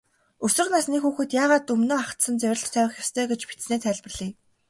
Өсвөр насны хүүхэд яагаад өмнөө ахадсан зорилт тавих ёстой гэж бичсэнээ тайлбарлая.